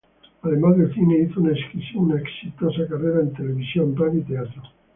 Además del cine hizo una exitosa carrera en televisión, radio y teatro.